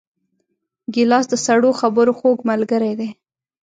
ګیلاس د سړو خبرو خوږ ملګری دی.